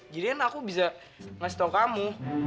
jadinya aku bisa ngasih tau kamu